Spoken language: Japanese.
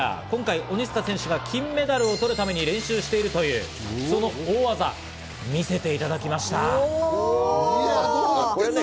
今回、鬼塚選手が金メダルを取るために練習しているという、その大技、見せていただきました。